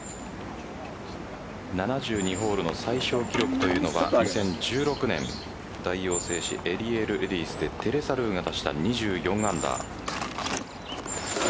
７２ホールの最少記録というのは２０１６年大王製紙エリエールレディスでテレサ・ルーが出した２４アンダー。